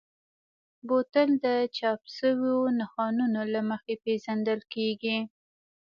بوتل د چاپ شویو نښانونو له مخې پېژندل کېږي.